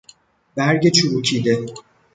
برگ چروکیده